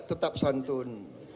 saya tetap santun